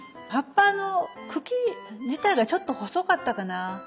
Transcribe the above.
葉っぱの茎自体がちょっと細かったかな。